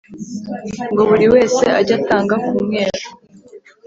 ngo buri wese ajye atanga ku mwero